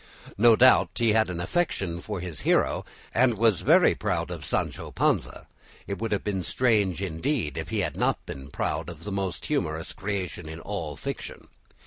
No doubt he had an affection for his hero, and was very proud of Sancho Panza. It would have been strange indeed if he had not been proud of the most humorous creation in all fiction.